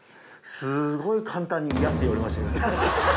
すごい簡単に「イヤ」って言われましたけどね。